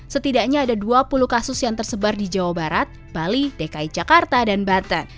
setidaknya ada dua puluh kasus yang tersebar di jawa barat bali dki jakarta dan banten